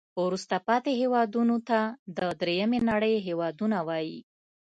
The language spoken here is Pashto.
وروسته پاتې هیوادونو ته د دریمې نړۍ هېوادونه وایي.